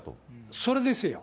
それですよ。